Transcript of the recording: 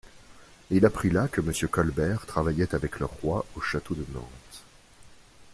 Il apprit là que Monsieur Colbert travaillait avec le roi au château de Nantes.